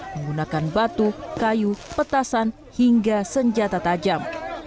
menggunakan batu kayu petasan hingga senjata tajam